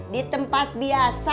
di tempat biasa